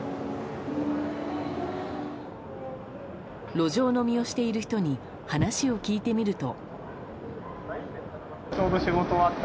路上飲みをしている人に話を聞いてみると。